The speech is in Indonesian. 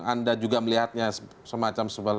anda juga melihatnya semacam